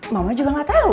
mama juga gak tau